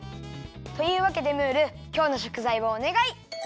というわけでムールきょうのしょくざいをおねがい。